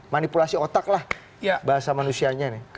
manipulasi otak lah bahasa manusianya nih